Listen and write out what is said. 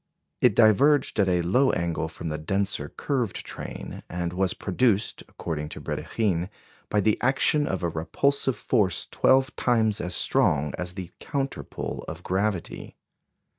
It diverged at a low angle from the denser curved train, and was produced, according to Brédikhine, by the action of a repulsive force twelve times as strong as the counter pull of gravity.